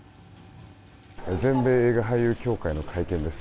全米映画俳優組合の会見です。